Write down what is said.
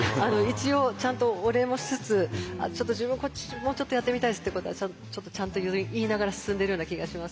一応ちゃんとお礼もしつつちょっと自分こっちもうちょっとやってみたいですっていうことはちょっとちゃんと言いながら進んでいるような気がします。